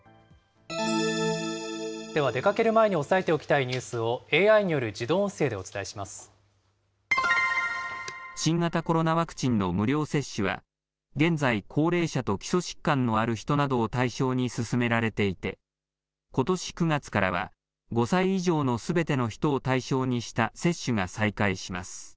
では出かける前に押さえておきたいニュースをＡＩによる自動新型コロナワクチンの無料接種は、現在、高齢者と基礎疾患のある人などを対象に進められていて、ことし９月からは５歳以上のすべての人を対象にした接種が再開します。